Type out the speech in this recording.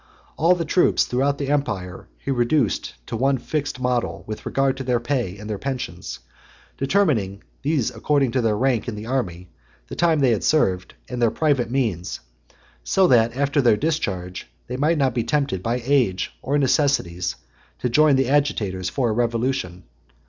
All the troops throughout the empire he reduced to one fixed model with regard to their pay and their pensions; determining these according to their rank in the army, the time they had served, and their private means; so that after their discharge, they might not be tempted by age or necessities to join the agitators for a revolution.